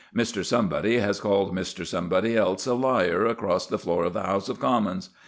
Mr. Somebody has called Mr. Somebody else a liar across the floor of the House of Commons.